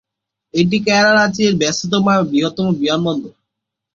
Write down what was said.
এটি কেরালা রাজ্যে ব্যস্ততম এবং বৃহত্তম বিমানবন্দর।